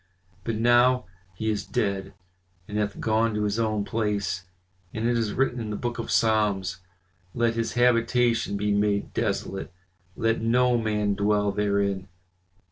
But now he is dead, and hath gone to his own place, and it is written in the book of the Psalms, 'Let his habitation be made desolate, let no man dwell therein.